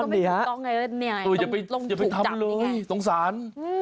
มันต้องเป็นผู้กองเอิ้นเนี่ยต้องถูกจับต้องสาร